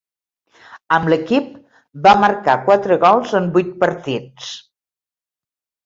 Amb l'equip, va marcar quatre gols en vuit partits.